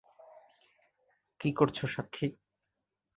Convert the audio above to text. কি করছ সাক্ষী?